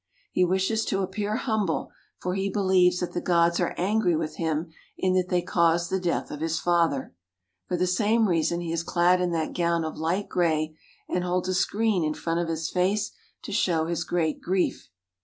He wishes to ap pear humble, for he believes that the gods are angry with him in that they caused the death of his father. For the same reason he is clad in that gown of light gray and holds a screen in front of his face to show his great grief.